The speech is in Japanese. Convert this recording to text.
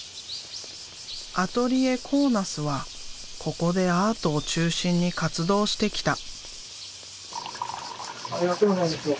アトリエコーナスはここでアートを中心に活動してきた。